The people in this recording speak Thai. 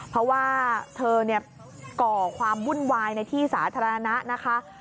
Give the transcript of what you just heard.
เพราะว่าเธอก่อความวุ่นวายในที่สาธารณะนะคะ